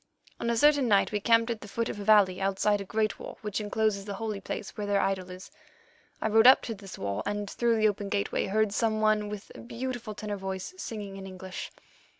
"On a certain night we camped at the foot of a valley outside a great wall which encloses the holy place where their idol is. I rode up to this wall and, through the open gateway, heard some one with a beautiful tenor voice singing in English.